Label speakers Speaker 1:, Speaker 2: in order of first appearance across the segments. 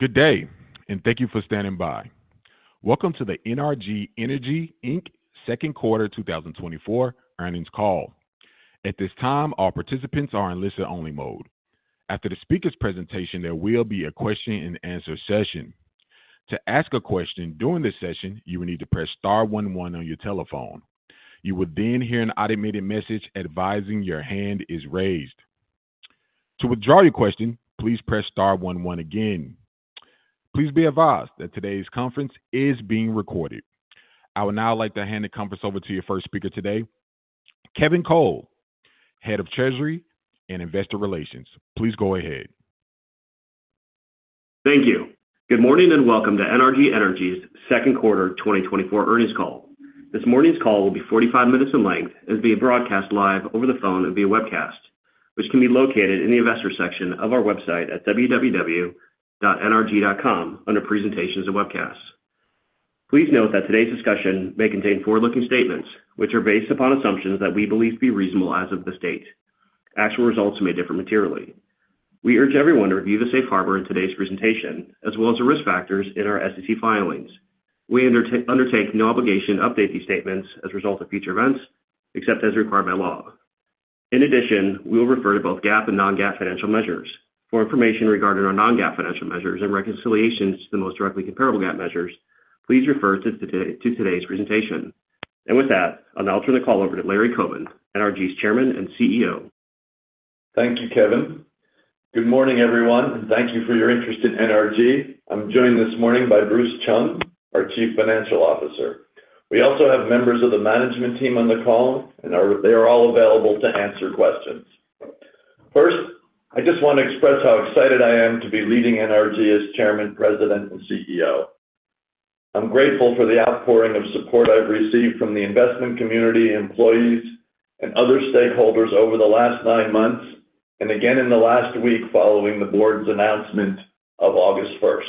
Speaker 1: Good day, and thank you for standing by. Welcome to the NRG Energy, Inc. second quarter 2024 earnings call. At this time, all participants are in listen-only mode. After the speaker's presentation, there will be a question-and-answer session. To ask a question during this session, you will need to press star one one on your telephone. You will then hear an automated message advising your hand is raised. To withdraw your question, please press star one one again. Please be advised that today's conference is being recorded. I would now like to hand the conference over to your first speaker today, Kevin Cole, Head of Treasury and Investor Relations. Please go ahead.
Speaker 2: Thank you. Good morning, and welcome to NRG Energy's second quarter 2024 earnings call. This morning's call will be 45 minutes in length and be broadcast live over the phone and via webcast, which can be located in the Investors section of our website at www.nrg.com under Presentations and Webcasts. Please note that today's discussion may contain forward-looking statements, which are based upon assumptions that we believe to be reasonable as of this date. Actual results may differ materially. We urge everyone to review the safe harbor in today's presentation, as well as the risk factors in our SEC filings. We undertake no obligation to update these statements as a result of future events, except as required by law. In addition, we will refer to both GAAP and non-GAAP financial measures. For information regarding our non-GAAP financial measures and reconciliations to the most directly comparable GAAP measures, please refer to today, to today's presentation. And with that, I'll now turn the call over to Larry Coben, NRG's Chairman and CEO.
Speaker 3: Thank you, Kevin. Good morning, everyone, and thank you for your interest in NRG. I'm joined this morning by Bruce Chung, our Chief Financial Officer. We also have members of the management team on the call, and they are all available to answer questions. First, I just want to express how excited I am to be leading NRG as Chairman, President, and CEO. I'm grateful for the outpouring of support I've received from the investment community, employees, and other stakeholders over the last nine months, and again in the last week following the board's announcement of August first.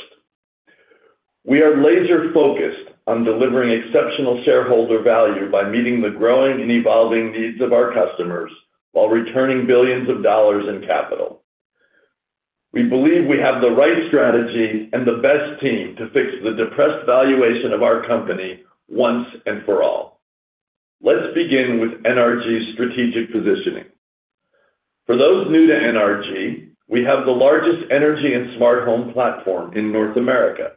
Speaker 3: We are laser-focused on delivering exceptional shareholder value by meeting the growing and evolving needs of our customers while returning billions of dollars in capital. We believe we have the right strategy and the best team to fix the depressed valuation of our company once and for all. Let's begin with NRG's strategic positioning. For those new to NRG, we have the largest energy and smart home platform in North America.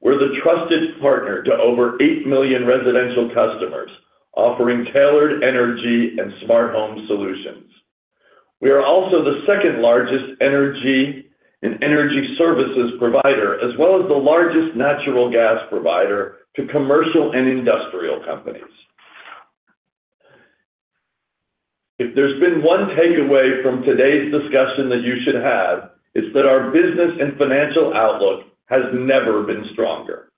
Speaker 3: We're the trusted partner to over eight million residential customers, offering tailored energy and smart home solutions. We are also the second-largest energy and energy services provider, as well as the largest natural gas provider to commercial and industrial companies. If there's been one takeaway from today's discussion that you should have, it's that our business and financial outlook has never been stronger.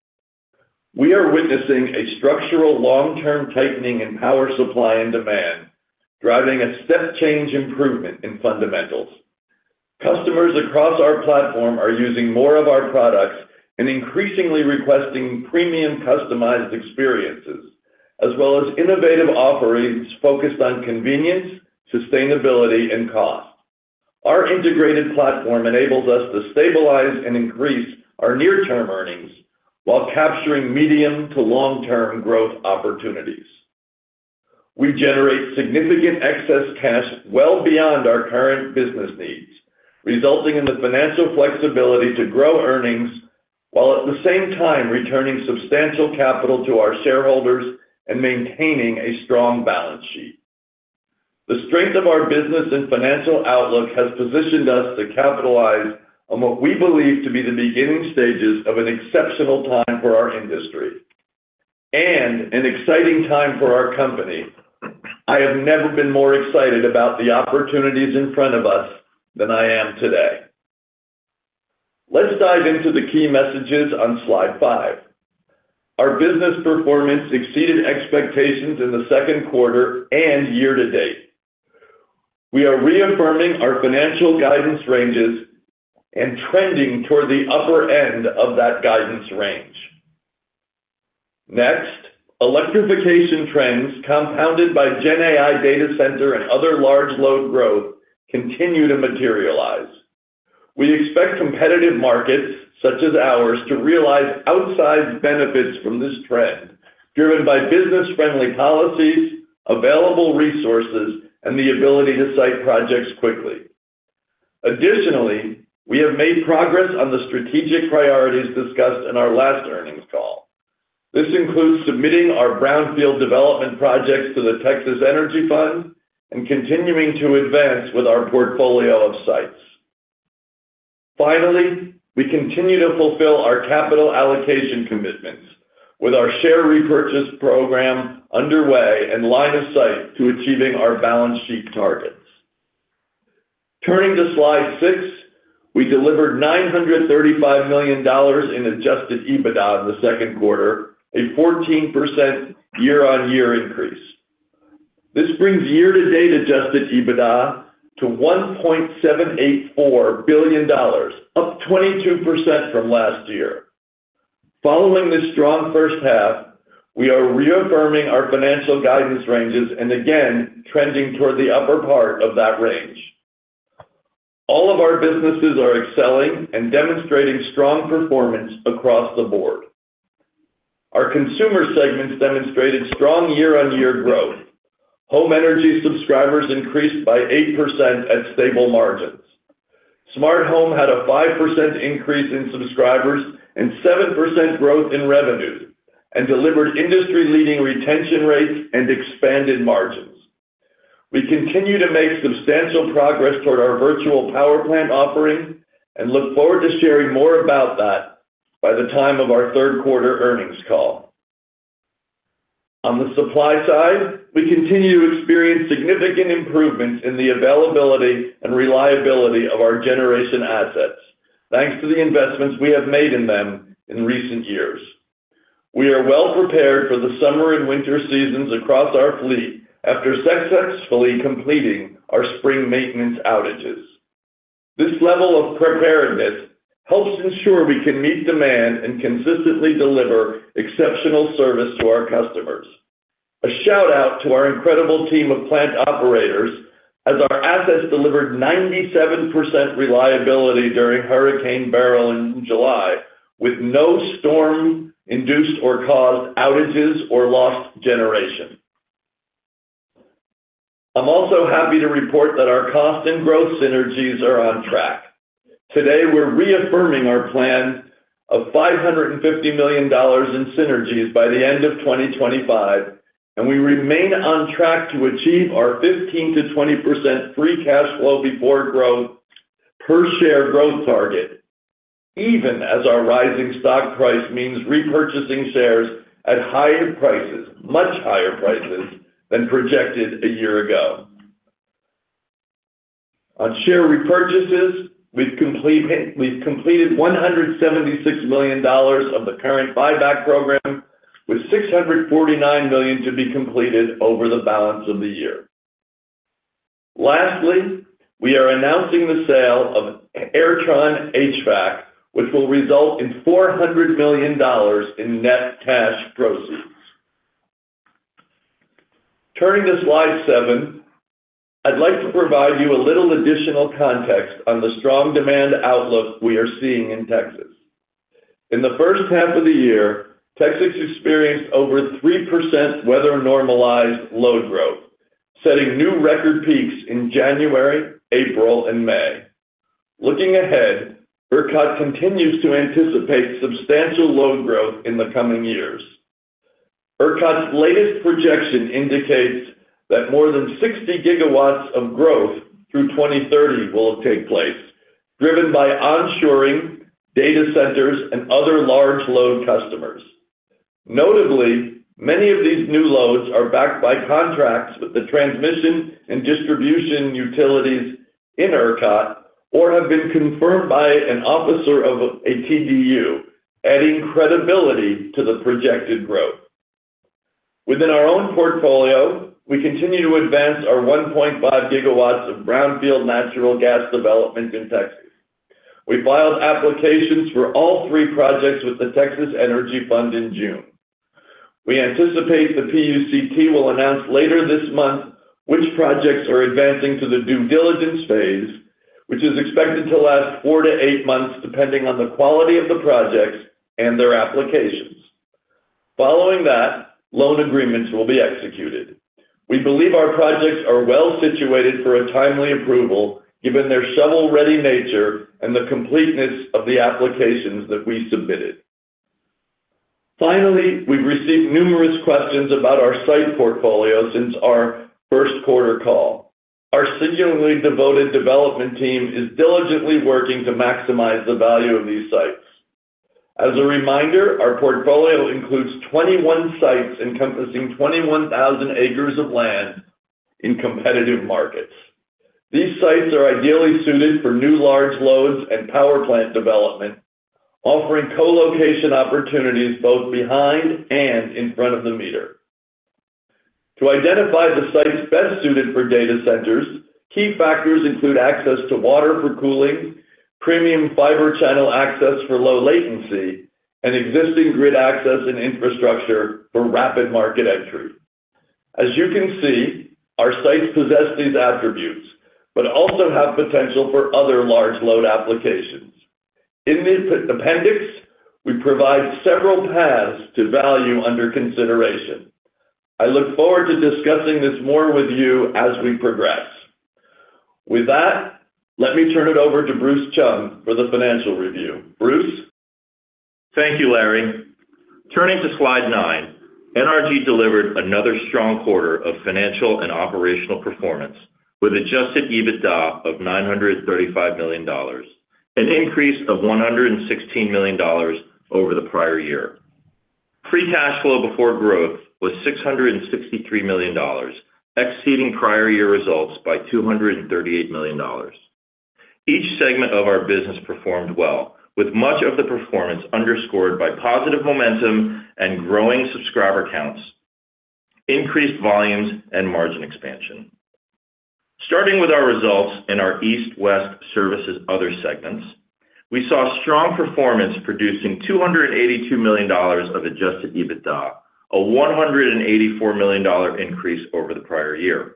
Speaker 3: We are witnessing a structural long-term tightening in power supply and demand, driving a step-change improvement in fundamentals. Customers across our platform are using more of our products and increasingly requesting premium customized experiences, as well as innovative offerings focused on convenience, sustainability, and cost. Our integrated platform enables us to stabilize and increase our near-term earnings while capturing medium to long-term growth opportunities. We generate significant excess cash well beyond our current business needs, resulting in the financial flexibility to grow earnings, while at the same time returning substantial capital to our shareholders and maintaining a strong balance sheet. The strength of our business and financial outlook has positioned us to capitalize on what we believe to be the beginning stages of an exceptional time for our industry and an exciting time for our company. I have never been more excited about the opportunities in front of us than I am today. Let's dive into the key messages on slide five. Our business performance exceeded expectations in the second quarter and year to date. We are reaffirming our financial guidance ranges and trending toward the upper end of that guidance range. Next, electrification trends, compounded by GenAI data center and other large load growth, continue to materialize. We expect competitive markets, such as ours, to realize outsized benefits from this trend, driven by business-friendly policies, available resources, and the ability to site projects quickly. Additionally, we have made progress on the strategic priorities discussed in our last earnings call. This includes submitting our brownfield development projects to the Texas Energy Fund and continuing to advance with our portfolio of sites. Finally, we continue to fulfill our capital allocation commitments with our share repurchase program underway and line of sight to achieving our balance sheet targets. Turning to slide 6, we delivered $935 million in Adjusted EBITDA in the second quarter, a 14% year-on-year increase. This brings year-to-date Adjusted EBITDA to $1.784 billion, up 22% from last year.... Following this strong first half, we are reaffirming our financial guidance ranges, and again, trending toward the upper part of that range. All of our businesses are excelling and demonstrating strong performance across the board. Our consumer segments demonstrated strong year-on-year growth. Home Energy subscribers increased by 8% at stable margins. Smart Home had a 5% increase in subscribers and 7% growth in revenue, and delivered industry-leading retention rates and expanded margins. We continue to make substantial progress toward our Virtual Power Plant offering, and look forward to sharing more about that by the time of our third quarter earnings call. On the supply side, we continue to experience significant improvements in the availability and reliability of our generation assets, thanks to the investments we have made in them in recent years. We are well prepared for the summer and winter seasons across our fleet after successfully completing our spring maintenance outages. This level of preparedness helps ensure we can meet demand and consistently deliver exceptional service to our customers. A shout-out to our incredible team of plant operators, as our assets delivered 97% reliability during Hurricane Beryl in July, with no storm-induced or caused outages or lost generation. I'm also happy to report that our cost and growth synergies are on track. Today, we're reaffirming our plan of $550 million in synergies by the end of 2025, and we remain on track to achieve our 15%-20% free cash flow before growth per share growth target, even as our rising stock price means repurchasing shares at higher prices, much higher prices than projected a year ago. On share repurchases, we've completed $176 million of the current buyback program, with $649 million to be completed over the balance of the year. Lastly, we are announcing the sale of Airtron HVAC, which will result in $400 million in net cash proceeds. Turning to slide 7, I'd like to provide you a little additional context on the strong demand outlook we are seeing in Texas. In the first half of the year, Texas experienced over 3% weather-normalized load growth, setting new record peaks in January, April, and May. Looking ahead, ERCOT continues to anticipate substantial load growth in the coming years. ERCOT's latest projection indicates that more than 60 GW of growth through 2030 will take place, driven by onshoring data centers and other large load customers. Notably, many of these new loads are backed by contracts with the transmission and distribution utilities in ERCOT, or have been confirmed by an officer of a TDU, adding credibility to the projected growth. Within our own portfolio, we continue to advance our 1.5 gigawatts of brownfield natural gas development in Texas. We filed applications for all three projects with the Texas Energy Fund in June. We anticipate the PUCT will announce later this month which projects are advancing to the due diligence phase, which is expected to last 4-8 months, depending on the quality of the projects and their applications. Following that, loan agreements will be executed. We believe our projects are well-situated for a timely approval, given their shovel-ready nature and the completeness of the applications that we submitted. Finally, we've received numerous questions about our site portfolio since our first quarter call. Our singularly devoted development team is diligently working to maximize the value of these sites. As a reminder, our portfolio includes 21 sites encompassing 21,000 acres of land in competitive markets. These sites are ideally suited for new large loads and power plant development, offering co-location opportunities both behind and in front of the meter. To identify the sites best suited for data centers, key factors include access to water for cooling, premium fiber channel access for low latency, and existing grid access and infrastructure for rapid market entry. As you can see, our sites possess these attributes, but also have potential for other large load applications. In the appendix, we provide several paths to value under consideration. I look forward to discussing this more with you as we progress. With that, let me turn it over to Bruce Chung for the financial review. Bruce?
Speaker 4: Thank you, Larry. Turning to slide 9, NRG delivered another strong quarter of financial and operational performance, with Adjusted EBITDA of $935 million, an increase of $116 million over the prior year. Free cash flow before growth was $663 million, exceeding prior year results by $238 million. Each segment of our business performed well, with much of the performance underscored by positive momentum and growing subscriber counts, increased volumes, and margin expansion.... Starting with our results in our East, West Services Other segments, we saw strong performance producing $282 million of Adjusted EBITDA, a $184 million dollar increase over the prior year.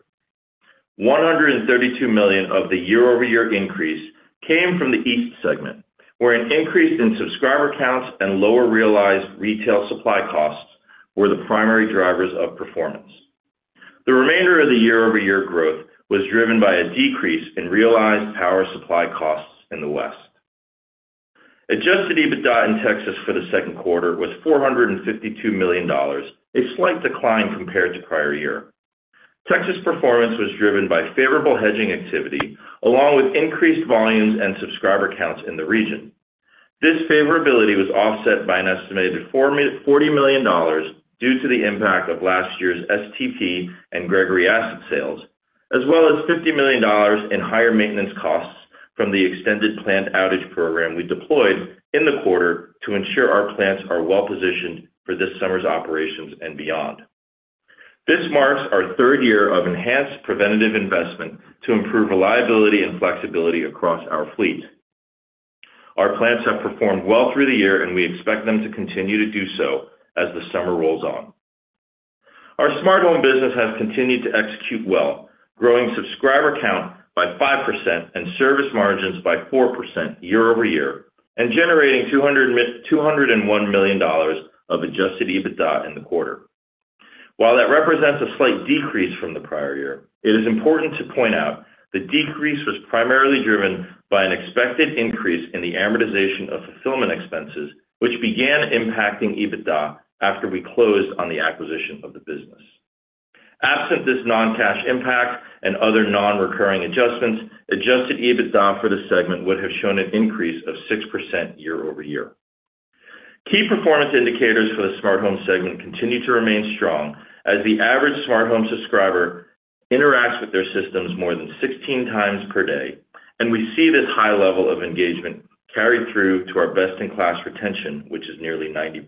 Speaker 4: $132 million of the year-over-year increase came from the East segment, where an increase in subscriber counts and lower realized retail supply costs were the primary drivers of performance. The remainder of the year-over-year growth was driven by a decrease in realized power supply costs in the West. Adjusted EBITDA in Texas for the second quarter was $452 million, a slight decline compared to prior year. Texas performance was driven by favorable hedging activity, along with increased volumes and subscriber counts in the region. This favorability was offset by an estimated $40 million due to the impact of last year's STP and Gregory asset sales, as well as $50 million in higher maintenance costs from the extended plant outage program we deployed in the quarter to ensure our plants are well-positioned for this summer's operations and beyond. This marks our third year of enhanced preventative investment to improve reliability and flexibility across our fleet. Our plants have performed well through the year, and we expect them to continue to do so as the summer rolls on. Our Smart Home business has continued to execute well, growing subscriber count by 5% and service margins by 4% year-over-year, and generating $201 million of Adjusted EBITDA in the quarter. While that represents a slight decrease from the prior year, it is important to point out the decrease was primarily driven by an expected increase in the amortization of fulfillment expenses, which began impacting EBITDA after we closed on the acquisition of the business. Absent this non-cash impact and other non-recurring adjustments, Adjusted EBITDA for the segment would have shown an increase of 6% year-over-year. Key performance indicators for the Smart Home segment continue to remain strong, as the average Smart Home subscriber interacts with their systems more than 16 times per day, and we see this high level of engagement carried through to our best-in-class retention, which is nearly 90%.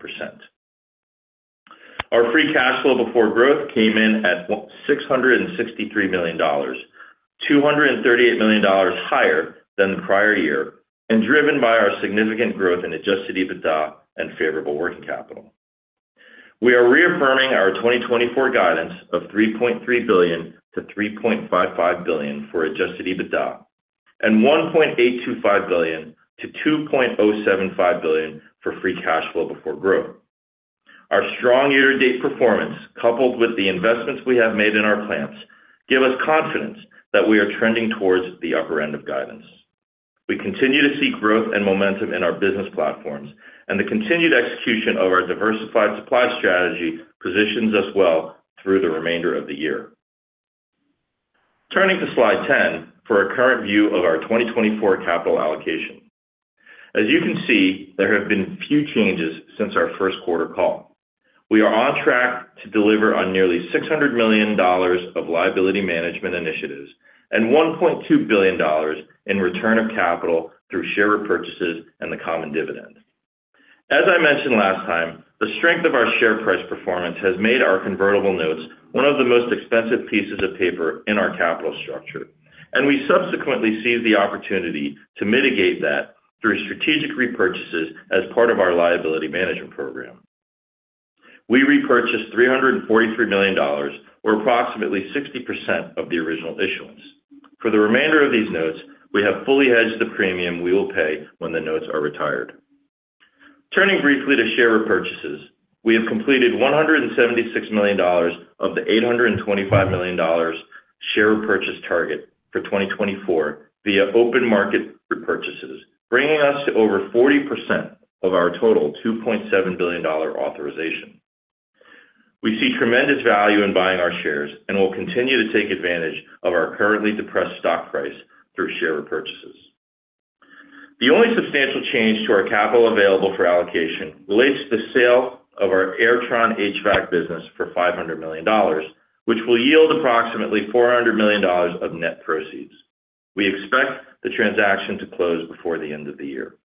Speaker 4: Our free cash flow before growth came in at $663 million, $238 million higher than the prior year, and driven by our significant growth in Adjusted EBITDA and favorable working capital. We are reaffirming our 2024 guidance of $3.3 billion-$3.55 billion for Adjusted EBITDA and $1.825 billion-$2.075 billion for free cash flow before growth. Our strong year-to-date performance, coupled with the investments we have made in our plants, give us confidence that we are trending towards the upper end of guidance. We continue to see growth and momentum in our business platforms, and the continued execution of our diversified supply strategy positions us well through the remainder of the year. Turning to Slide 10 for a current view of our 2024 capital allocation. As you can see, there have been few changes since our first quarter call. We are on track to deliver on nearly $600 million of liability management initiatives and $1.2 billion in return of capital through share repurchases and the common dividend. As I mentioned last time, the strength of our share price performance has made our convertible notes one of the most expensive pieces of paper in our capital structure, and we subsequently seized the opportunity to mitigate that through strategic repurchases as part of our liability management program. We repurchased $343 million, or approximately 60% of the original issuance. For the remainder of these notes, we have fully hedged the premium we will pay when the notes are retired. Turning briefly to share repurchases, we have completed $176 million of the $825 million share repurchase target for 2024 via open market repurchases, bringing us to over 40% of our total $2.7 billion authorization. We see tremendous value in buying our shares and will continue to take advantage of our currently depressed stock price through share repurchases. The only substantial change to our capital available for allocation relates to the sale of our Airtron HVAC business for $500 million, which will yield approximately $400 million of net proceeds. We expect the transaction to close before the end of the year.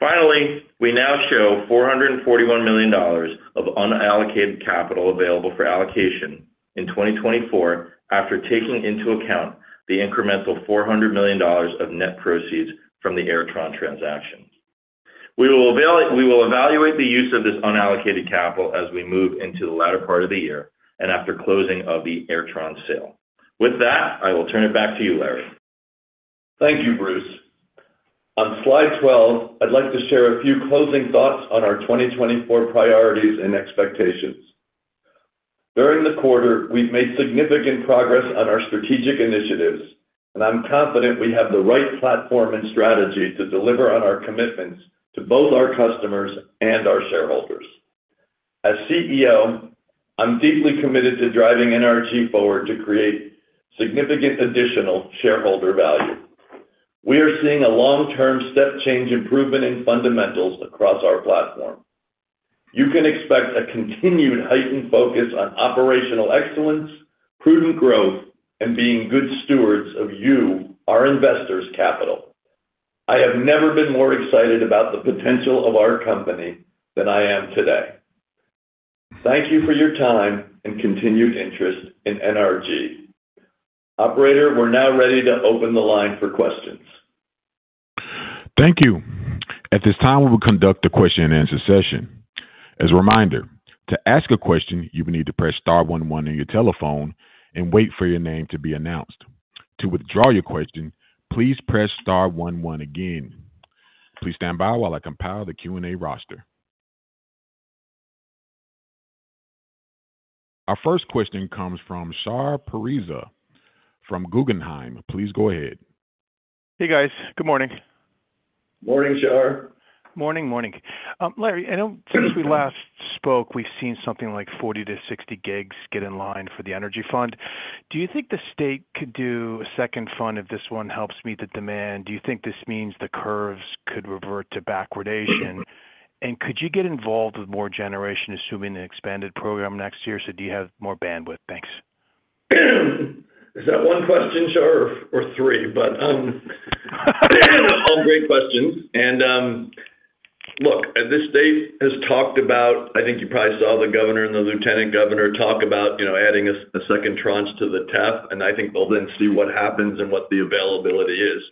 Speaker 4: Finally, we now show $441 million of unallocated capital available for allocation in 2024, after taking into account the incremental $400 million of net proceeds from the Airtron transaction. We will evaluate the use of this unallocated capital as we move into the latter part of the year and after closing of the Airtron sale. With that, I will turn it back to you, Larry.
Speaker 3: Thank you, Bruce. On Slide 12, I'd like to share a few closing thoughts on our 2024 priorities and expectations. During the quarter, we've made significant progress on our strategic initiatives, and I'm confident we have the right platform and strategy to deliver on our commitments to both our customers and our shareholders. As CEO, I'm deeply committed to driving NRG forward to create significant additional shareholder value. We are seeing a long-term step change improvement in fundamentals across our platform. You can expect a continued heightened focus on operational excellence, prudent growth, and being good stewards of you, our investors' capital. I have never been more excited about the potential of our company than I am today.... Thank you for your time and continued interest in NRG. Operator, we're now ready to open the line for questions.
Speaker 1: Thank you. At this time, we will conduct a question-and-answer session. As a reminder, to ask a question, you will need to press star one one on your telephone and wait for your name to be announced. To withdraw your question, please press star one one again. Please stand by while I compile the Q&A roster. Our first question comes from Shar Pourreza from Guggenheim. Please go ahead.
Speaker 5: Hey, guys. Good morning.
Speaker 3: Morning, Shar.
Speaker 5: Morning, morning. Larry, I know since we last spoke, we've seen something like 40-60 gigs get in line for the energy fund. Do you think the state could do a second fund if this one helps meet the demand? Do you think this means the curves could revert to backwardation? And could you get involved with more generation, assuming an expanded program next year, so do you have more bandwidth? Thanks.
Speaker 3: Is that one question, Shar, or, or three? But, all great questions. And, look, the state has talked about—I think you probably saw the governor and the lieutenant governor talk about, you know, adding a, a second tranche to the TEF, and I think they'll then see what happens and what the availability is.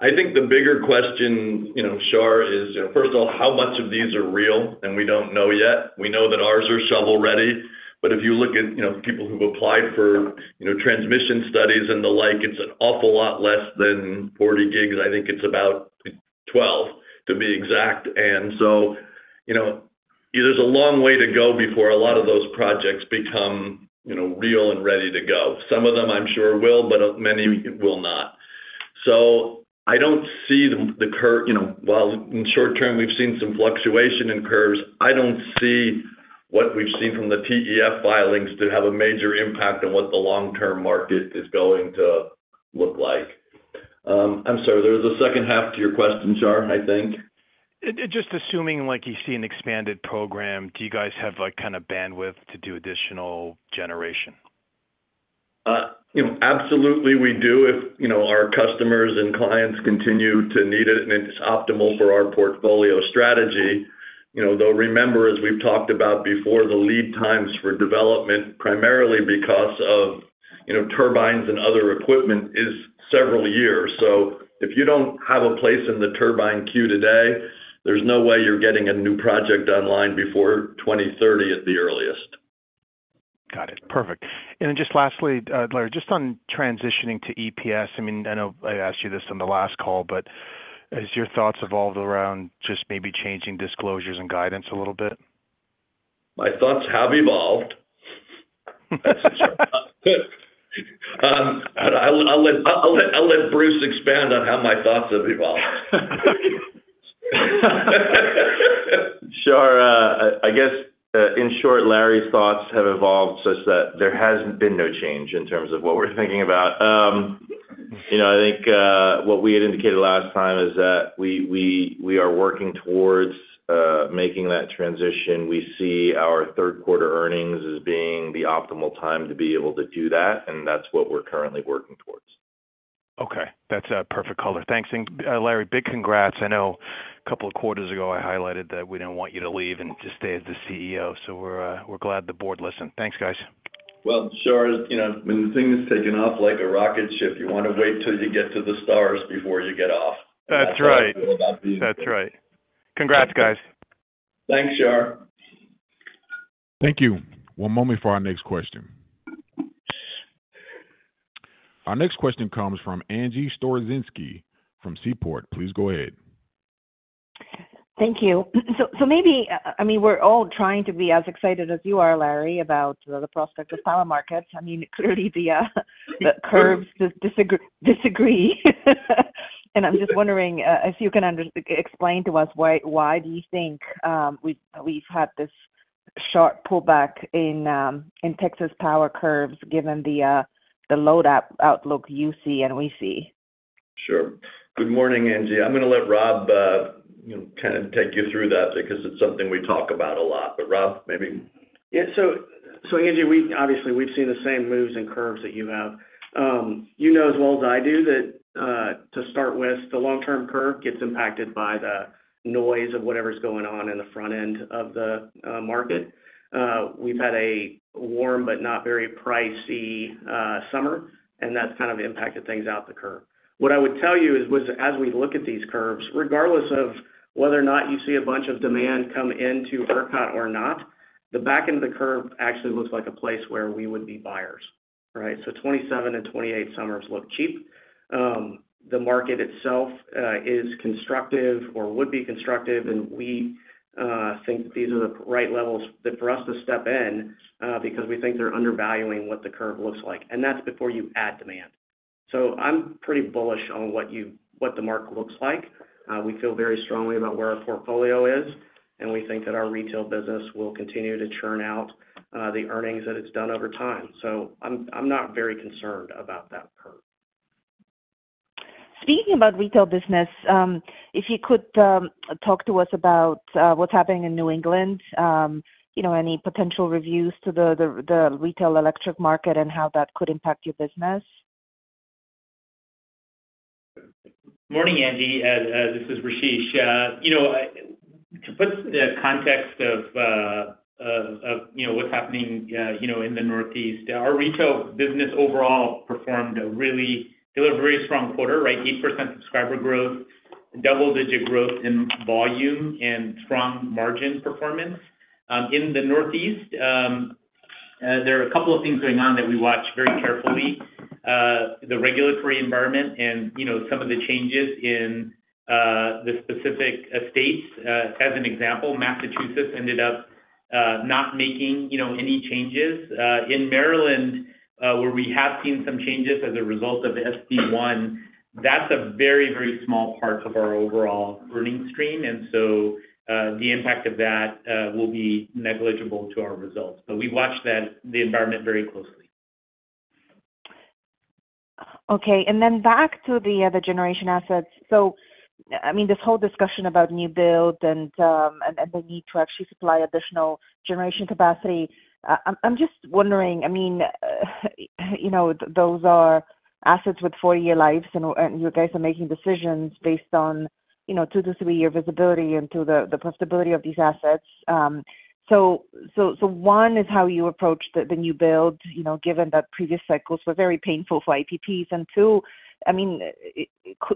Speaker 3: I think the bigger question, you know, Shar, is, first of all, how much of these are real? And we don't know yet. We know that ours are shovel-ready, but if you look at, you know, people who've applied for, you know, transmission studies and the like, it's an awful lot less than 40 gigs. I think it's about 12, to be exact. And so, you know, there's a long way to go before a lot of those projects become, you know, real and ready to go. Some of them, I'm sure, will, but many will not. So I don't see the curve you know, while in the short term, we've seen some fluctuation in curves. I don't see what we've seen from the TEF filings to have a major impact on what the long-term market is going to look like. I'm sorry, there was a second half to your question, Shar, I think.
Speaker 5: Just assuming, like, you see an expanded program, do you guys have, like, kind of bandwidth to do additional generation?
Speaker 3: You know, absolutely we do, if, you know, our customers and clients continue to need it, and it's optimal for our portfolio strategy. You know, though, remember, as we've talked about before, the lead times for development, primarily because of, you know, turbines and other equipment, is several years. So if you don't have a place in the turbine queue today, there's no way you're getting a new project online before 2030 at the earliest.
Speaker 5: Got it. Perfect. And then just lastly, Larry, just on transitioning to EPS, I mean, I know I asked you this on the last call, but as your thoughts evolved around just maybe changing disclosures and guidance a little bit?
Speaker 3: My thoughts have evolved. I'll let Bruce expand on how my thoughts have evolved.
Speaker 4: Shar, I guess, in short, Larry's thoughts have evolved such that there has been no change in terms of what we're thinking about. You know, I think, what we had indicated last time is that we are working towards making that transition. We see our third-quarter earnings as being the optimal time to be able to do that, and that's what we're currently working towards.
Speaker 5: Okay. That's a perfect color. Thanks. And, Larry, big congrats. I know a couple of quarters ago, I highlighted that we didn't want you to leave and to stay as the CEO, so we're glad the board listened. Thanks, guys.
Speaker 3: Well, Shar, you know, when the thing is taking off like a rocket ship, you want to wait till you get to the stars before you get off.
Speaker 5: That's right.
Speaker 3: That's how I feel about being here.
Speaker 5: That's right. Congrats, guys.
Speaker 3: Thanks, Shar.
Speaker 1: Thank you. One moment for our next question. Our next question comes from Angie Storozynski, from Seaport. Please go ahead.
Speaker 6: Thank you. So maybe, I mean, we're all trying to be as excited as you are, Larry, about the prospect of power markets. I mean, clearly, the curves disagree. And I'm just wondering, if you can explain to us why do you think we've had this sharp pullback in Texas power curves, given the load outlook you see and we see?
Speaker 3: Sure. Good morning, Angie. I'm going to let Rob, you know, kind of take you through that because it's something we talk about a lot. But Rob, maybe?
Speaker 7: Yeah, so Angie, we obviously we've seen the same moves and curves that you have. You know as well as I do that, to start with, the long-term curve gets impacted by the noise of whatever's going on in the front end of the market. We've had a warm but not very pricey summer, and that's kind of impacted things out the curve. What I would tell you is, as we look at these curves, regardless of whether or not you see a bunch of demand come into ERCOT or not, the back end of the curve actually looks like a place where we would be buyers, right? So 2027 and 2028 summers look cheap. The market itself is constructive or would be constructive, and we think that these are the right levels that for us to step in, because we think they're undervaluing what the curve looks like. And that's before you add demand. So I'm pretty bullish on what the market looks like. We feel very strongly about where our portfolio is, and we think that our retail business will continue to churn out the earnings that it's done over time. So I'm, I'm not very concerned about that curve.
Speaker 6: Speaking about retail business, if you could talk to us about what's happening in New England, you know, any potential reviews to the retail electric market and how that could impact your business?
Speaker 8: Morning, Angie. This is Rasesh. You know, to put the context of, you know, what's happening, you know, in the Northeast, our retail business overall performed a really—delivered a very strong quarter, right? 8% subscriber growth, double-digit growth in volume, and strong margin performance. In the Northeast, there are a couple of things going on that we watch very carefully. The regulatory environment and, you know, some of the changes in the specific states. As an example, Massachusetts ended up not making, you know, any changes. In Maryland, where we have seen some changes as a result of SB1, that's a very, very small part of our overall earnings stream, and so, the impact of that will be negligible to our results. But we watch that, the environment very closely.
Speaker 6: Okay, and then back to the generation assets. So, I mean, this whole discussion about new build and the need to actually supply additional generation capacity. I'm just wondering, I mean, you know, those are assets with four-year lives, and you guys are making decisions based on, you know, two to three-year visibility and the profitability of these assets. So, one is how you approach the new build, you know, given that previous cycles were very painful for ETPs. And two, I mean,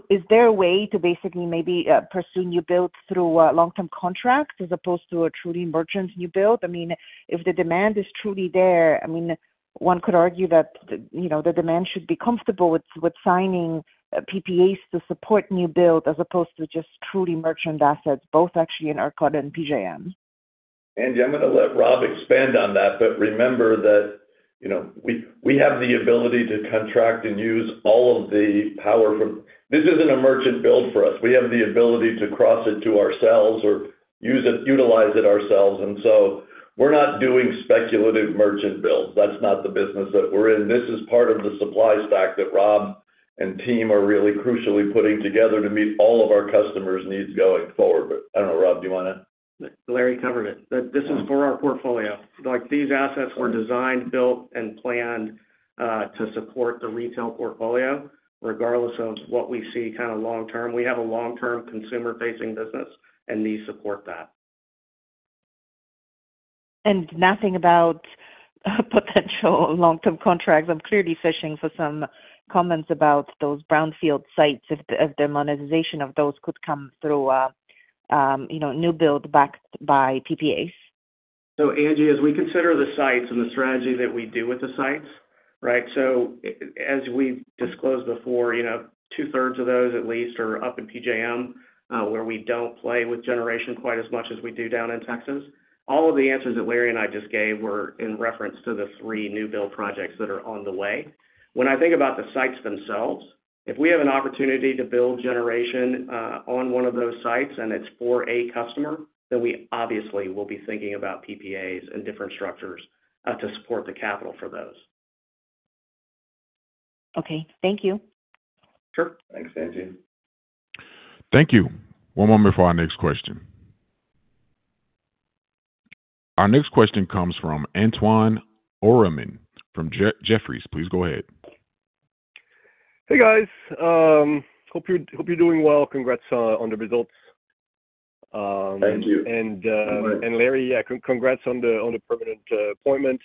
Speaker 6: is there a way to basically maybe pursue new builds through long-term contracts as opposed to a truly merchant new build? I mean, if the demand is truly there, I mean, one could argue that, you know, the demand should be comfortable with signing PPAs to support new build as opposed to just truly merchant assets, both actually in ERCOT and PJM.
Speaker 3: Angie, I'm gonna let Rob expand on that, but remember that, you know, we have the ability to contract and use all of the power from... This isn't a merchant build for us. We have the ability to cross it to ourselves or use it, utilize it ourselves, and so we're not doing speculative merchant builds. That's not the business that we're in. This is part of the supply stack that Rob and team are really crucially putting together to meet all of our customers' needs going forward. But I don't know, Rob, do you wanna?
Speaker 7: Larry covered it. But this is for our portfolio. Like, these assets were designed, built, and planned, to support the retail portfolio, regardless of what we see kind of long term. We have a long-term consumer-facing business, and these support that.
Speaker 6: Nothing about potential long-term contracts? I'm clearly fishing for some comments about those Brownfield sites, if the monetization of those could come through, you know, new build backed by PPAs.
Speaker 7: So Angie, as we consider the sites and the strategy that we do with the sites, right? So as we've disclosed before, you know, two-thirds of those at least are up in PJM, where we don't play with generation quite as much as we do down in Texas. All of the answers that Larry and I just gave were in reference to the three new build projects that are on the way. When I think about the sites themselves, if we have an opportunity to build generation on one of those sites, and it's for a customer, then we obviously will be thinking about PPAs and different structures to support the capital for those.
Speaker 6: Okay. Thank you.
Speaker 7: Sure.
Speaker 3: Thanks, Angie.
Speaker 1: Thank you. One moment for our next question. Our next question comes from Antoine Aurimond from Jefferies. Please go ahead.
Speaker 8: Hey, guys. Hope you're doing well. Congrats on the results.
Speaker 3: Thank you.
Speaker 8: And, and Larry, yeah, congrats on the permanent appointment.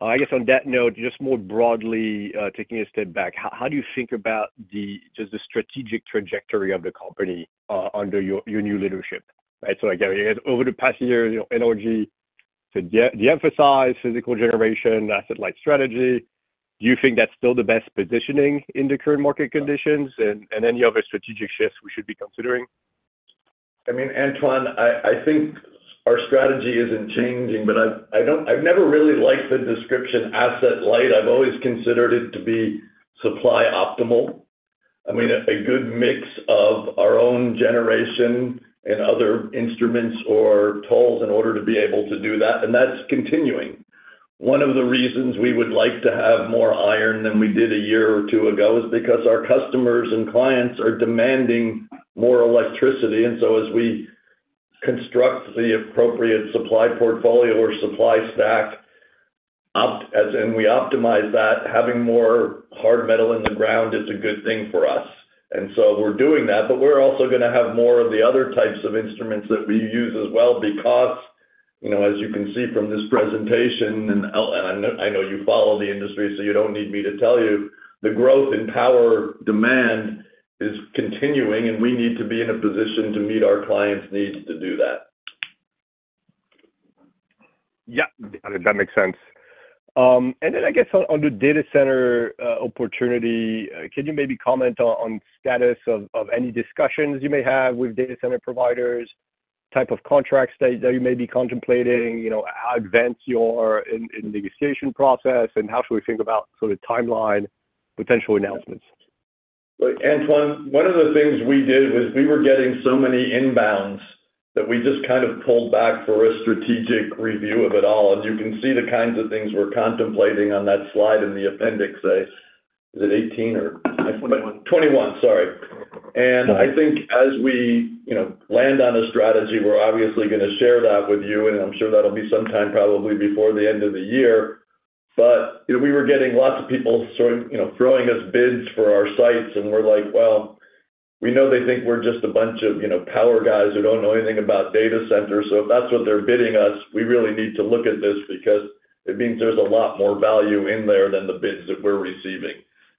Speaker 8: I guess on that note, just more broadly, taking a step back, how do you think about the just the strategic trajectory of the company, under your new leadership? Right, so, like, over the past year, you know, NRG de-emphasized physical generation, asset-light strategy. Do you think that's still the best positioning in the current market conditions? And any other strategic shifts we should be considering?
Speaker 3: I mean, Antoine, I think our strategy isn't changing, but I don't—I've never really liked the description asset light. I've always considered it to be supply optimal. I mean, a good mix of our own generation and other instruments or tolls in order to be able to do that, and that's continuing. One of the reasons we would like to have more iron than we did a year or two ago is because our customers and clients are demanding more electricity. And so as we construct the appropriate supply portfolio or supply stack, opt—as, and we optimize that, having more hard metal in the ground is a good thing for us, and so we're doing that. But we're also gonna have more of the other types of instruments that we use as well, because, you know, as you can see from this presentation, and I know, I know you follow the industry, so you don't need me to tell you, the growth in power demand is continuing, and we need to be in a position to meet our clients' needs to do that.
Speaker 8: Yeah, that makes sense. And then I guess on the data center opportunity, can you maybe comment on status of any discussions you may have with data center providers, type of contracts that you may be contemplating, you know, how advanced you are in the negotiation process, and how should we think about sort of timeline, potential announcements?
Speaker 3: Look, Antoine, one of the things we did was we were getting so many inbounds that we just kind of pulled back for a strategic review of it all. And you can see the kinds of things we're contemplating on that slide in the appendix, is it 18 or?
Speaker 7: Twenty-one.
Speaker 3: 21, sorry. And I think as we, you know, land on a strategy, we're obviously gonna share that with you, and I'm sure that'll be sometime probably before the end of the year. But, you know, we were getting lots of people sort, you know, throwing us bids for our sites, and we're like: Well, we know they think we're just a bunch of, you know, power guys who don't know anything about data centers. So if that's what they're bidding us, we really need to look at this because it means there's a lot more value in there than the bids that we're receiving.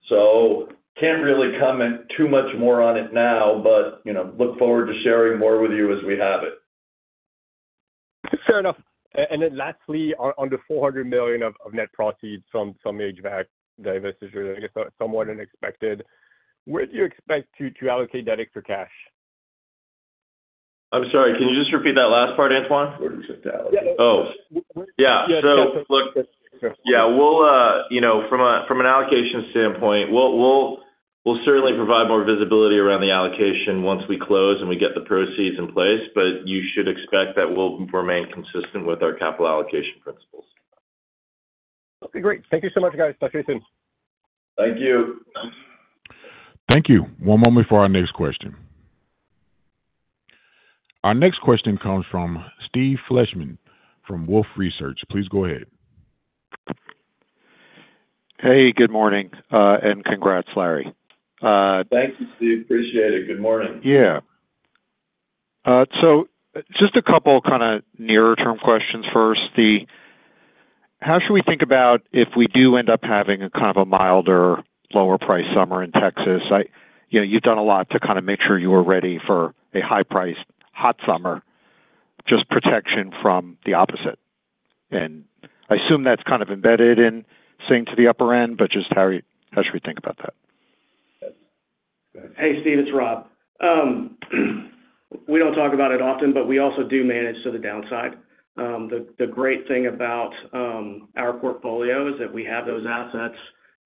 Speaker 3: So can't really comment too much more on it now, but, you know, look forward to sharing more with you as we have it.
Speaker 7: Fair enough. And then lastly, on the $400 million of net proceeds from the HVAC divestiture, I guess, somewhat unexpected, where do you expect to allocate that extra cash?
Speaker 3: I'm sorry, can you just repeat that last part, Antoine?
Speaker 1: Where does it allocate?
Speaker 7: Yeah.
Speaker 3: Oh, yeah. So look, yeah, we'll, you know, from an allocation standpoint, we'll certainly provide more visibility around the allocation once we close and we get the proceeds in place, but you should expect that we'll remain consistent with our capital allocation principles.
Speaker 7: Okay, great. Thank you so much, guys. Talk to you soon.
Speaker 3: Thank you.
Speaker 1: Thank you. One moment before our next question. Our next question comes from Steve Fleishman from Wolfe Research. Please go ahead.
Speaker 9: Hey, good morning, and congrats, Larry.
Speaker 3: Thank you, Steve. Appreciate it. Good morning.
Speaker 9: Yeah. So just a couple kind of nearer term questions. First, how should we think about if we do end up having a kind of a milder, lower-priced summer in Texas? You know, you've done a lot to kind of make sure you are ready for a high-priced, hot summer, just protection from the opposite. And I assume that's kind of embedded in saying to the upper end, but just how should we think about that?
Speaker 3: Hey, Steve, it's Rob. We don't talk about it often, but we also do manage to the downside. The great thing about our portfolio is that we have those assets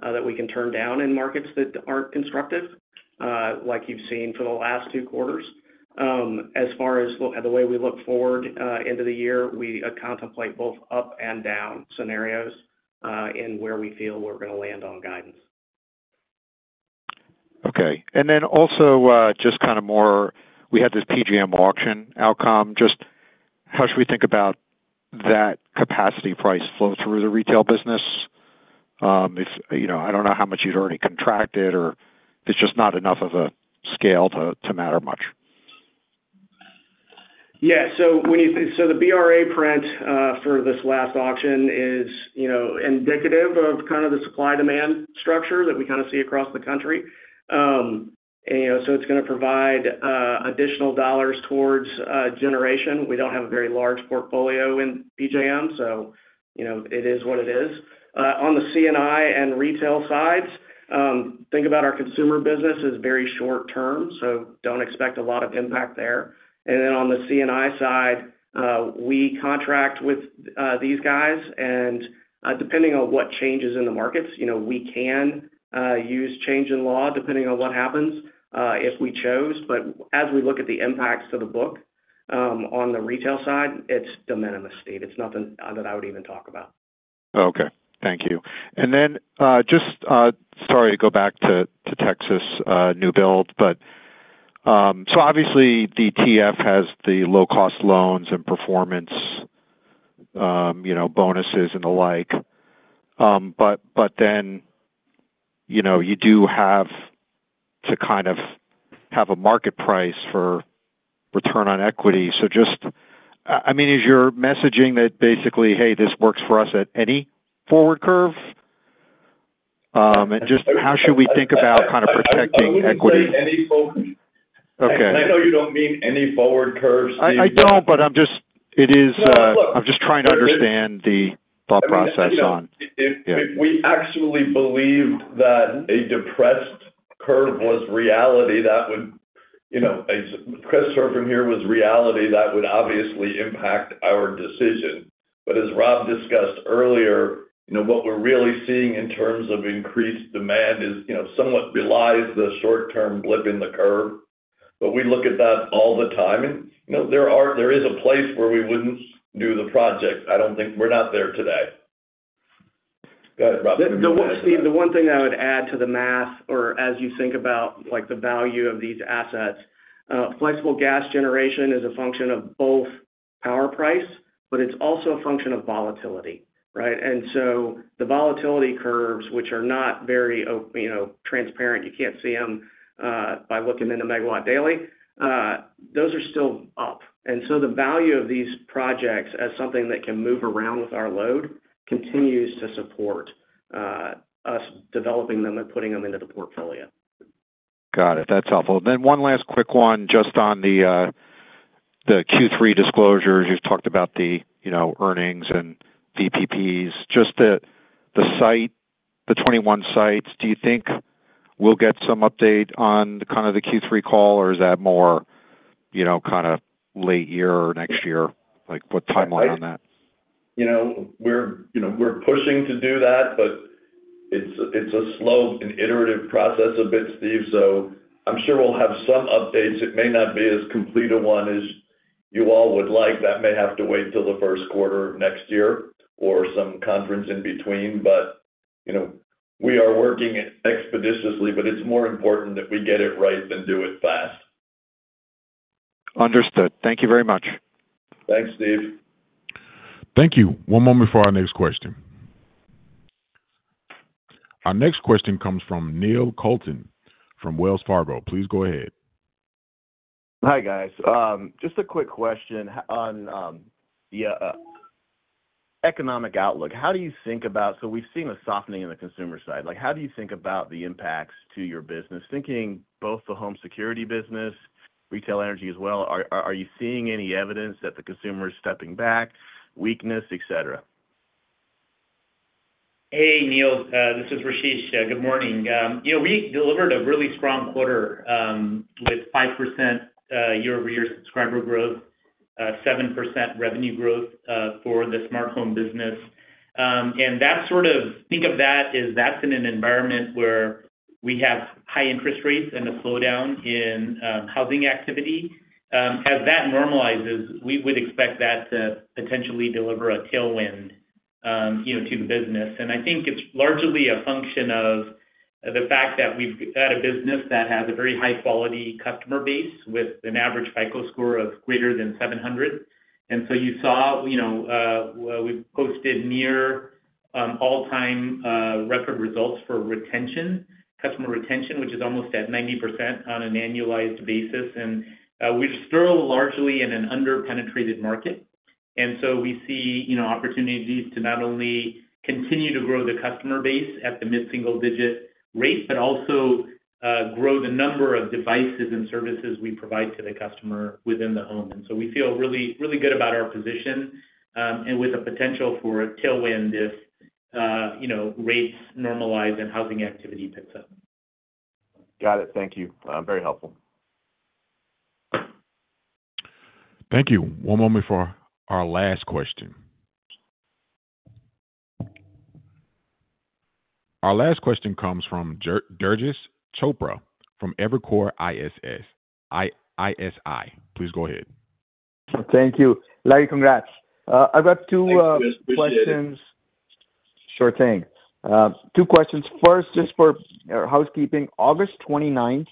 Speaker 3: that we can turn down in markets that aren't constructive, like you've seen for the last two quarters. As far as the way we look forward into the year, we contemplate both up and down scenarios in where we feel we're going to land on guidance.
Speaker 9: Okay. And then also, just kind of more. We had this PJM auction outcome. Just how should we think about that capacity price flow through the retail business? If, you know, I don't know how much you'd already contracted or it's just not enough of a scale to matter much.
Speaker 7: Yeah, so the BRA print for this last auction is, you know, indicative of kind of the supply-demand structure that we kind of see across the country. And so it's going to provide additional dollars towards generation. We don't have a very large portfolio in PJM, so, you know, it is what it is. On the CNI and retail sides, think about our consumer business as very short term, so don't expect a lot of impact there. And then on the CNI side, we contract with these guys, and, depending on what changes in the markets, you know, we can use change in law, depending on what happens, if we chose. But as we look at the impacts to the book, on the retail side, it's de minimis, Steve. It's nothing that I would even talk about.
Speaker 9: Okay, thank you. And then, just sorry to go back to Texas, new build, but so obviously the TF has the low-cost loans and performance, you know, bonuses and the like. But then, you know, you do have to kind of have a market price for return on equity. So just—I mean, is your messaging that basically, "Hey, this works for us at any forward curve?" And just how should we think about kind of protecting equity?
Speaker 3: I wouldn't say any forward.
Speaker 9: Okay.
Speaker 3: I know you don't mean any forward curves, Steve.
Speaker 9: I don't, but I'm just... It is
Speaker 3: No, look-
Speaker 9: I'm just trying to understand the thought process on-
Speaker 3: If-
Speaker 9: Yeah.
Speaker 3: If we actually believed that a depressed curve was reality, that would, you know, a depressed curve from here was reality, that would obviously impact our decision. But as Rob discussed earlier, you know, what we're really seeing in terms of increased demand is, you know, somewhat belies the short-term blip in the curve. But we look at that all the time, and, you know, there is a place where we wouldn't do the project. I don't think we're not there today. Go ahead, Rob.
Speaker 7: The one, Steve, the one thing I would add to the math or as you think about, like, the value of these assets, flexible gas generation is a function of both power price, but it's also a function of volatility, right? And so the volatility curves, which are not very transparent, you know, you can't see them by looking in the megawatt daily, those are still up. And so the value of these projects as something that can move around with our load, continues to support us developing them and putting them into the portfolio.
Speaker 9: Got it. That's helpful. Then one last quick one, just on the Q3 disclosures. You've talked about the, you know, earnings and VPPs. Just the site, the 21 sites, do you think we'll get some update on the kind of the Q3 call, or is that more, you know, kind of late year or next year? Like, what timeline on that?
Speaker 3: You know, we're, you know, we're pushing to do that, but it's, it's a slow and iterative process a bit, Steve, so I'm sure we'll have some updates. It may not be as complete a one as you all would like. That may have to wait till the first quarter of next year or some conference in between. But, you know, we are working expeditiously, but it's more important that we get it right than do it fast. Understood. Thank you very much.
Speaker 10: Thanks, Steve.
Speaker 1: Thank you. One moment for our next question. Our next question comes from Neil Kalton from Wells Fargo. Please go ahead.
Speaker 11: Hi, guys. Just a quick question on economic outlook. How do you think about. So we've seen a softening in the consumer side. Like, how do you think about the impacts to your business, thinking both the home security business, retail energy as well? Are you seeing any evidence that the consumer is stepping back, weakness, et cetera?
Speaker 8: Hey, Neil, this is Rasesh. Good morning. You know, we delivered a really strong quarter with 5% year-over-year subscriber growth, 7% revenue growth for the Smart Home business. And that's sort of... think of that as that's in an environment where we have high interest rates and a slowdown in housing activity. As that normalizes, we would expect that to potentially deliver a tailwind, you know, to the business. And I think it's largely a function of the fact that we've got a business that has a very high-quality customer base with an average FICO score of greater than 700. And so you saw, you know, we posted near all-time record results for retention, customer retention, which is almost at 90% on an annualized basis. We're still largely in an under-penetrated market, and so we see, you know, opportunities to not only continue to grow the customer base at the mid-single-digit rate, but also grow the number of devices and services we provide to the customer within the home. We feel really, really good about our position, and with the potential for a tailwind if, you know, rates normalize and housing activity picks up.
Speaker 11: Got it. Thank you. Very helpful.
Speaker 1: Thank you. One moment for our last question. Our last question comes from Durgesh Chopra from Evercore ISI. Please go ahead.
Speaker 10: Thank you. Larry, congrats. I've got two questions.
Speaker 3: Thanks, appreciate it.
Speaker 10: Sure thing. Two questions. First, just for housekeeping. August 29th,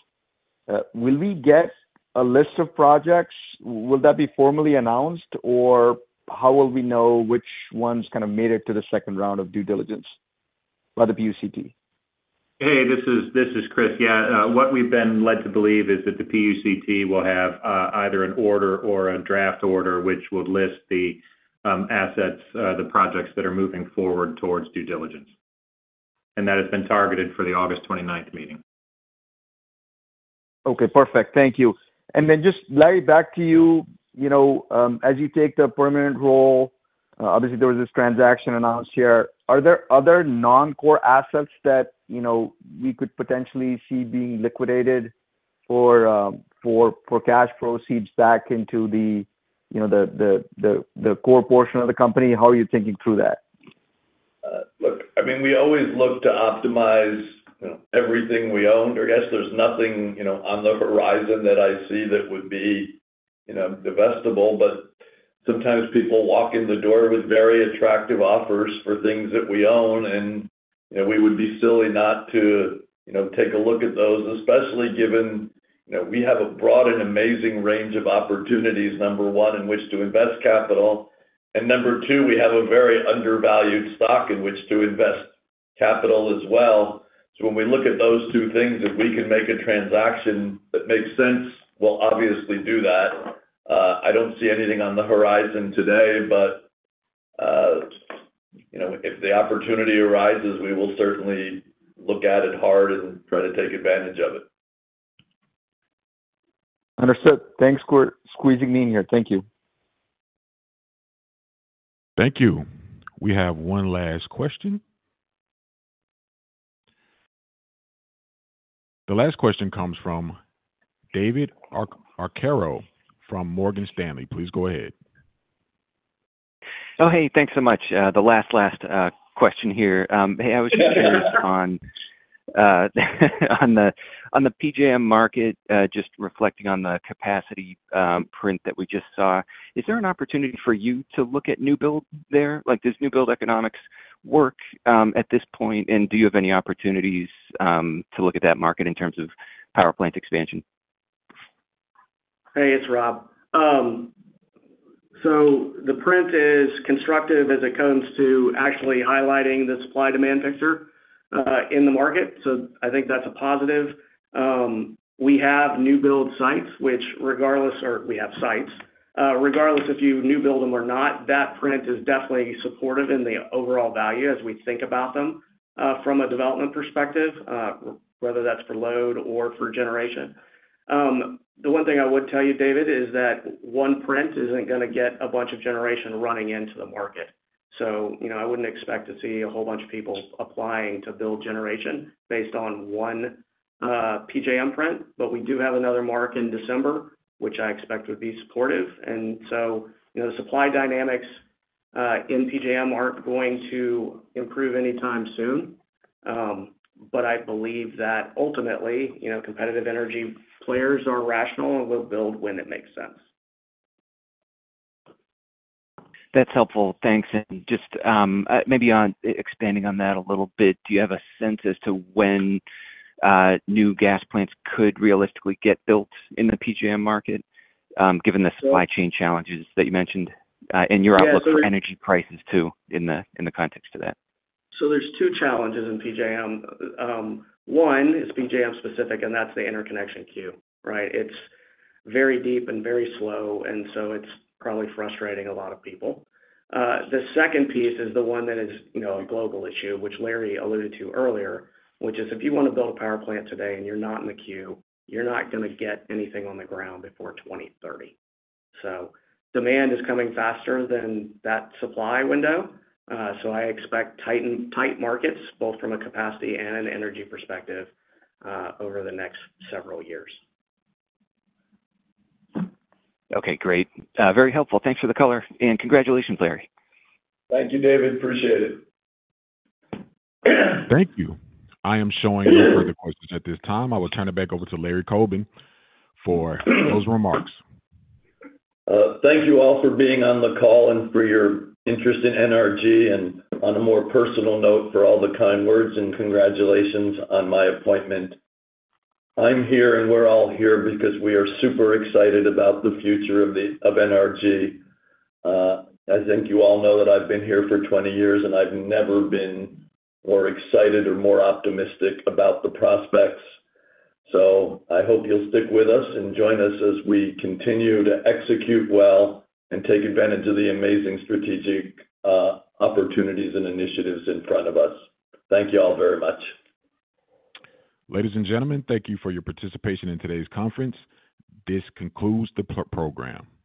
Speaker 10: will we get a list of projects? Will that be formally announced, or how will we know which ones kind of made it to the second round of due diligence by the PUCT?
Speaker 12: Hey, this is Chris. Yeah, what we've been led to believe is that the PUCT will have either an order or a draft order, which would list the assets, the projects that are moving forward towards due diligence. And that has been targeted for the August twenty-ninth meeting.
Speaker 10: Okay, perfect. Thank you. And then just, Larry, back to you. You know, as you take the permanent role, obviously there was this transaction announced here. Are there other non-core assets that, you know, we could potentially see being liquidated for cash proceeds back into the, you know, the core portion of the company? How are you thinking through that?
Speaker 3: Look, I mean, we always look to optimize, you know, everything we own. I guess there's nothing, you know, on the horizon that I see that would be, you know, divestable, but sometimes people walk in the door with very attractive offers for things that we own, and, you know, we would be silly not to, you know, take a look at those, especially given, you know, we have a broad and amazing range of opportunities, number one, in which to invest capital, and number two, we have a very undervalued stock in which to invest capital as well. So when we look at those two things, if we can make a transaction that makes sense, we'll obviously do that. I don't see anything on the horizon today, but, you know, if the opportunity arises, we will certainly look at it hard and try to take advantage of it.
Speaker 10: Understood. Thanks for squeezing me in here. Thank you.
Speaker 1: Thank you. We have one last question. The last question comes from David Arcaro from Morgan Stanley. Please go ahead.
Speaker 13: Oh, hey, thanks so much. The last, last, question here. Hey, I was just curious on, on the, on the PJM market, just reflecting on the capacity, print that we just saw. Is there an opportunity for you to look at new build there? Like, does new build economics work, at this point? And do you have any opportunities, to look at that market in terms of power plant expansion?
Speaker 7: Hey, it's Rob. So the print is constructive as it comes to actually highlighting the supply-demand picture in the market, so I think that's a positive. We have new build sites which regardless or we have sites, regardless if you new build them or not, that print is definitely supportive in the overall value as we think about them from a development perspective, whether that's for load or for generation. The one thing I would tell you, David, is that one print isn't gonna get a bunch of generation running into the market. So, you know, I wouldn't expect to see a whole bunch of people applying to build generation based on one PJM print, but we do have another mark in December, which I expect would be supportive. So, you know, supply dynamics in PJM aren't going to improve anytime soon. But I believe that ultimately, you know, competitive energy players are rational and will build when it makes sense. ...
Speaker 13: That's helpful. Thanks. And just maybe on expanding on that a little bit, do you have a sense as to when new gas plants could realistically get built in the PJM market, given the supply chain challenges that you mentioned in your outlook for energy prices, too, in the context of that?
Speaker 7: So there's two challenges in PJM. One is PJM specific, and that's the interconnection queue, right? It's very deep and very slow, and so it's probably frustrating a lot of people. The second piece is the one that is, you know, a global issue, which Larry alluded to earlier, which is if you want to build a power plant today and you're not in the queue, you're not gonna get anything on the ground before 2030. So demand is coming faster than that supply window. So I expect tight markets, both from a capacity and an energy perspective, over the next several years.
Speaker 13: Okay, great. Very helpful. Thanks for the color, and congratulations, Larry.
Speaker 7: Thank you, David. Appreciate it.
Speaker 1: Thank you. I am showing no further questions at this time. I will turn it back over to Larry Coben for those remarks.
Speaker 3: Thank you all for being on the call and for your interest in NRG, and on a more personal note, for all the kind words and congratulations on my appointment. I'm here, and we're all here because we are super excited about the future of NRG. I think you all know that I've been here for 20 years, and I've never been more excited or more optimistic about the prospects. So I hope you'll stick with us and join us as we continue to execute well and take advantage of the amazing strategic, opportunities and initiatives in front of us. Thank you all very much.
Speaker 1: Ladies and gentlemen, thank you for your participation in today's conference. This concludes the program.